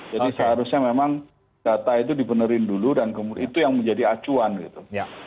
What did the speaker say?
jadi seharusnya memang data itu dibenerin dulu dan kemudian itu yang menjadi acuan gitu